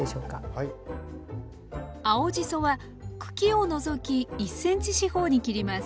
青じそは茎を除き１ｃｍ四方に切ります。